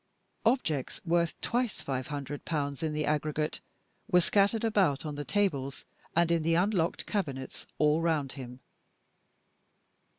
Objects worth twice five hundred pounds in the aggregate were scattered about on the tables and in the unlocked cabinets all round him.